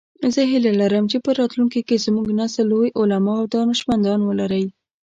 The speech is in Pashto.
زه هیله لرم چې په راتلونکي کې زموږ نسل لوی علماء او دانشمندان ولری